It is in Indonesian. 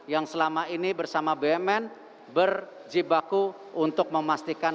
yang selama ini bersama bumn berjibaku untuk memastikan